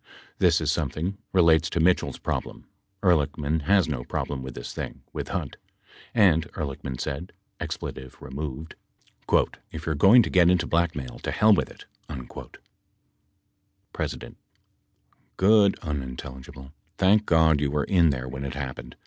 This is something relates to Mitchell's problem. Ehrlichman has no problem with this thing with Hunt. And Ehrlichman said, (expletive removed) "if you're going to get into blackmail, to hell with it." P. Good [unintelligible] Thank God you were in there when it happened.